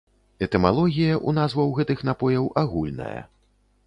Этымалогія ў назваў гэтых напояў агульная.